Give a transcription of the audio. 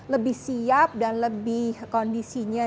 lebih siap dan lebih kondisinya